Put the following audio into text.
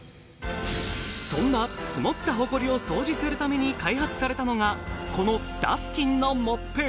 そんな積もったホコリを掃除するために開発されたのがこのダスキンのモップ